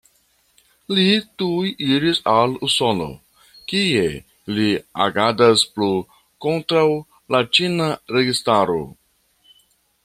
Li tuj iris al Usono, kie li agadas plu kontraŭ la ĉina registaro.